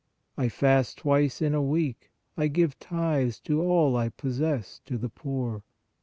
I fast twice in a week; I give tithes of all I possess to the poor.